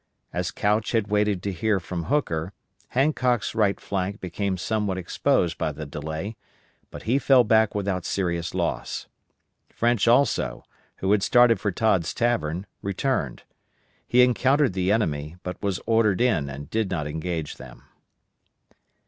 As Couch had waited to hear from Hooker, Hancock's right flank became somewhat exposed by the delay, but he fell back without serious loss. French also, who had started for Todd's Tavern, returned. He encountered the enemy, but was ordered in and did not engage them.